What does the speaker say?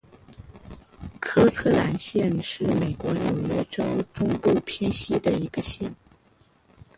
科特兰县是美国纽约州中部偏西的一个县。